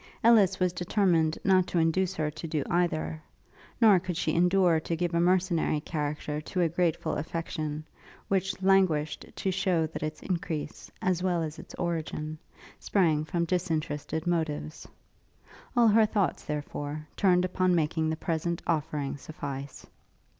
Ellis was determined not to induce her to do either: nor could she endure to give a mercenary character to a grateful affection, which languished to shew that its increase, as well as its origin, sprang from disinterested motives. All her thoughts, therefore, turned upon making the present offering suffice.